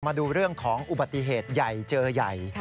มาดูเรื่องของอุบัติเหตุใหญ่เจอใหญ่